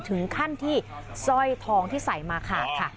ถึงขั้นที่สร้อยทองที่ใส่มาขาดค่ะ